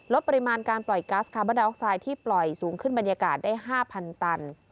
ปริมาณการปล่อยกัสคาร์บอนดาออกไซด์ที่ปล่อยสูงขึ้นบรรยากาศได้๕๐๐ตัน